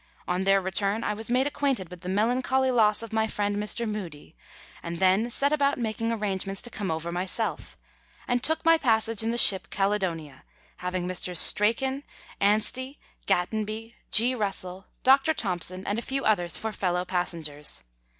On their return I was made acquainted with the melancholy loss of my friend Mr. Mudie, and then set about making arrangements to come over myself, and took my passage in the ship Caledonia, having Messrs. Strachan, Austey, Gatenby, G. Russell, Dr. Thomson, and a few others, for fellow passengers.